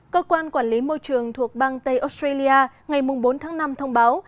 cơ quan quản lý môi trường thuộc bang tây australia ngày bốn tháng năm thông báo